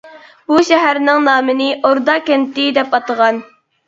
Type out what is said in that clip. بۇ شەھەرنىڭ نامىنى ئوردا كەنت دەپ ئاتىغان.